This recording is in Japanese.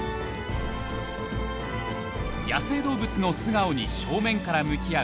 野生動物の素顔に正面から向き合う